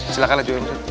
silahkan lah jualin